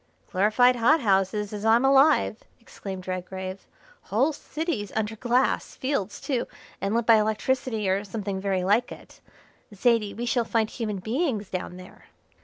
"Glorified hot houses, as I'm alive," exclaimed Redgrave. "Whole cities under glass, fields, too, and lit by electricity or something very like it. Zaidie, we shall find human beings down there."